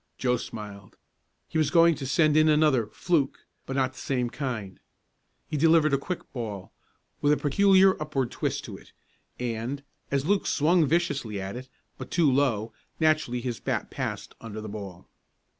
Joe smiled. He was going to send in another "fluke," but not the same kind. He delivered a quick ball, with a peculiar upward twist to it, and, as Luke swung viciously at it, but too low, naturally his bat passed under the ball.